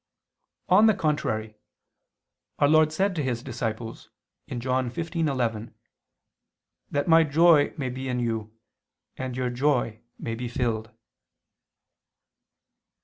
On the contrary, Our Lord said to His disciples (John 15:11): "That My joy may be in you, and your joy may be filled."